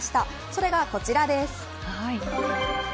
それがこちらです。